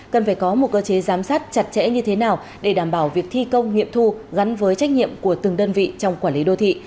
cần phải có một cơ chế giám sát chặt chẽ như thế nào để đảm bảo việc thi công nghiệm thu gắn với trách nhiệm của từng đơn vị trong quản lý đô thị